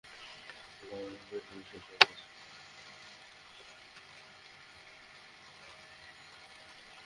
গাড়ির পেট্রল শেষ হয়ে গেছে।